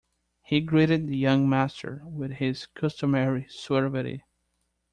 He greeted the young master with his customary suavity.